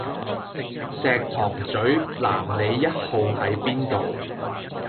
石塘嘴南里壹號喺邊度？